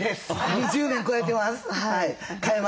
２０年超えてます。